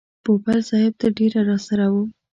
پوپل صاحب تر ډېره راسره و.